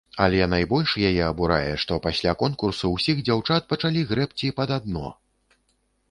Але найбольш яе абурае, што пасля конкурсу ўсіх дзяўчат пачалі грэбці пад адно.